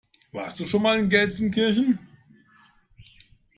Warst du schon mal in Gelsenkirchen?